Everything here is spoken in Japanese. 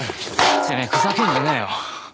てめえふざけんじゃねえよ！